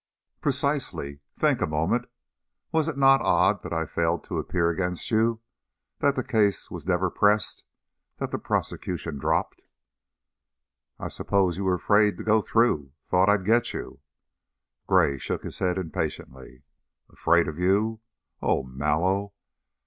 "Precisely. Think a moment. Was it not odd that I failed to appear against you? That the case was never pressed, the prosecution dropped?" "I s'pose you were afraid to go through. Thought I'd get you." Gray shook his head impatiently. "Afraid? Of you? Oh, Mallow!